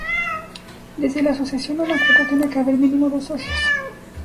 Desde la asociación, un ‘acuerdo’ tiene que haber mínimo dos socios.